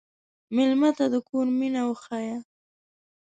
مېلمه ته د کور مینه وښیه.